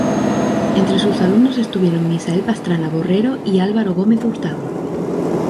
Entre sus alumnos estuvieron Misael Pastrana Borrero y Álvaro Gómez Hurtado.